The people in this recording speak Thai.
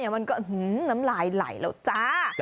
มันก็น้ำลายไหลแล้วจ้า